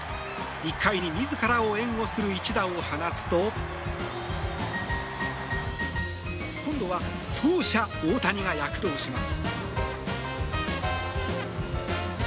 １回に自らを援護する一打を放つと今度は走者・大谷が躍動します。